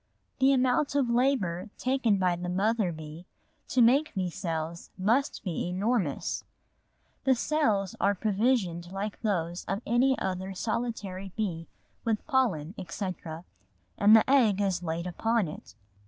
The amount of labour taken by the mother bee to make these cells must be enormous. The cells are provisioned like those of any other solitary bee with pollen, etc., and the egg is laid upon it.